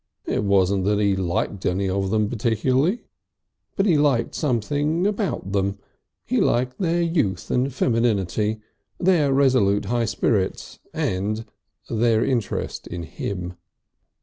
It wasn't that he liked any of them particularly, but he liked something about them. He liked their youth and femininity, their resolute high spirits and their interest in him.